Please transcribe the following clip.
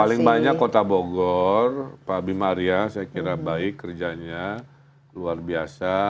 paling banyak kota bogor pak bimaria saya kira baik kerjanya luar biasa